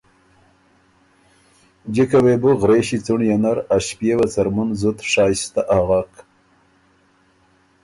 جکه وې بو غرېݭی څنړيې نر ا ݭپئېوه څرمُن زُت شائسته اغک۔